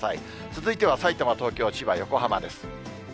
続いてはさいたま、東京、千葉、横浜です。